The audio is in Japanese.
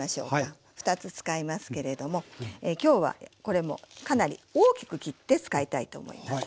２つ使いますけれども今日はこれもかなり大きく切って使いたいと思います。